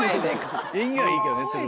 縁起はいいけどね鶴は。